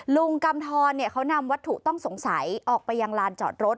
กำทรเขานำวัตถุต้องสงสัยออกไปยังลานจอดรถ